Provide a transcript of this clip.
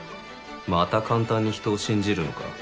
また簡単に人を信じるのか。